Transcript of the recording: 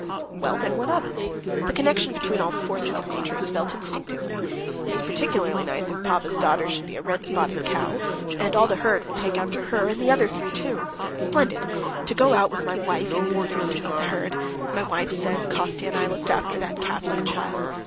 Well, then what of it? The connection between all the forces of nature is felt instinctively.... It's particulary nice if Pava's daughter should be a red spotted cow, and all the herd will take after her, and the other three, too! Splendid! To go out with my wife and visitors to meet the herd.... My wife says, 'Kostya and I looked after that calf like a child.